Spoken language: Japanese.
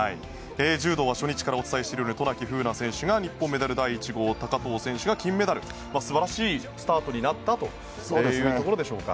柔道は初日から渡名喜風南選手がメダル第１号高藤選手が金メダル。素晴らしいスタートになったというところでしょうか。